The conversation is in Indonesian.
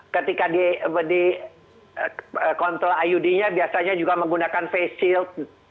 ketika di kontrol iud nya biasanya juga menggunakan face shield